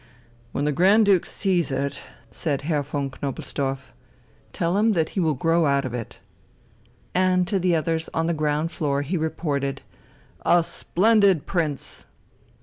"When the Grand Duke sees it," said Herr von Knobelsdorff, "tell him that he will grow out of it." And to the others on the ground floor he reported "A splendid prince!"